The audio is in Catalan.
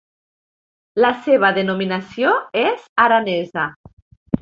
La seva denominació és aranesa.